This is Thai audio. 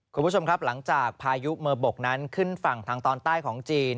คุณผู้ชมครับหลังจากพายุเมอร์บกนั้นขึ้นฝั่งทางตอนใต้ของจีน